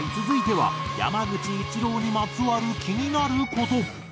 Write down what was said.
続いては山口一郎にまつわる気になる事。